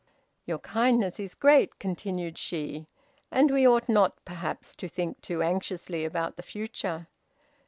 "Your kindness is great," continued she, "and we ought not, perhaps, to think too anxiously about the future.